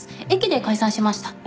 駅で解散しました。